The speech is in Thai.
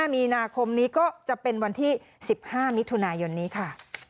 มีนาคมนี้ก็จะเป็นวันที่๑๕มิถุนายนนี้ค่ะ